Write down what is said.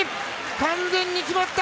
完全に決まった！